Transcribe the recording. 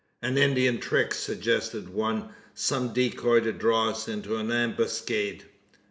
"An Indian trick?" suggested one. "Some decoy to draw us into an ambuscade?"